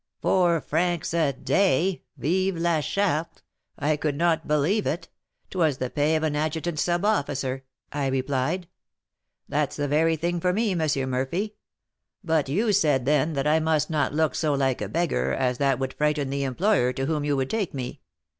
Four francs a day! Vive la Charte! I could not believe it; 'twas the pay of an adjutant sub officer! I replied, 'That's the very thing for me, M. Murphy!' but you said then that I must not look so like a beggar, as that would frighten the employer to whom you would take me.